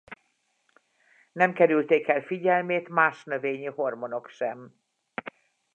Nem kerülték el figyelmét más növényi hormonok sem.